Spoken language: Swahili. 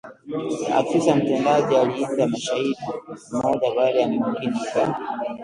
afisa mtendaji aliita shahidi mmoja baada ya mwingine kwa